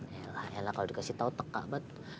ya lah ya lah kalo dikasih tau tekah banget